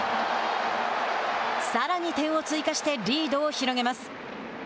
さらに点を追加してリードを広げます。